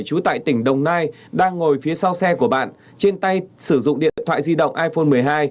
trú tại tỉnh đồng nai đang ngồi phía sau xe của bạn trên tay sử dụng điện thoại di động iphone một mươi hai